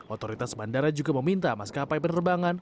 otoritas bandara juga meminta maskapai penerbangan